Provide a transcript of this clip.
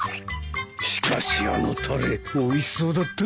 しかしあのたれおいしそうだったね。